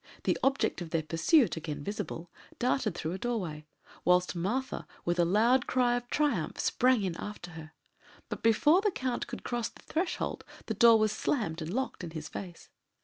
The object of their pursuit, again visible, darted through a doorway; whilst Martha, with a loud cry of triumph, sprang in after her; but before the Count could cross the threshold the door was slammed and locked in his face.